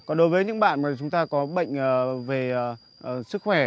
còn đối với những bạn mà chúng ta có bệnh về sức khỏe